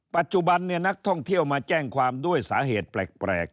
ปัจจุบันนักท่องเที่ยวมาแจ้งความด้วยสาเหตุแปลก